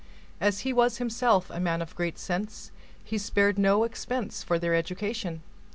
As he was himself a man of great sense, he spared no expense for their education.